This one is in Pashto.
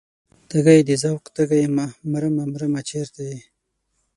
تږی د ذوق تږی یمه مرمه مرمه چرته یې؟